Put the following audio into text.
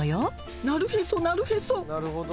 なるへそなるへそ。